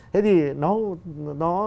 thế thì nó